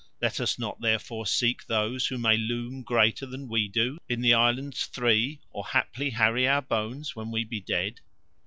Let us not therefore seek those who may loom greater than we do in the Islands Three or haply harry our bones when we be dead."